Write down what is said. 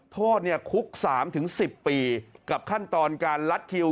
โทษคุก๓๑๐ปีกับขั้นตอนการลัดคิว